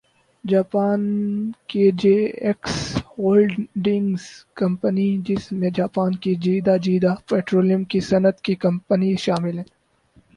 Japan کی J X holdings company جس میں جاپان کی چیدہ چیدہ پٹرولیم کی صنعت کی کمپنیز شامل ہیں